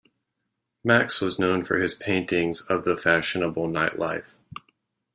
Maks was known for his paintings of the fashionable night life.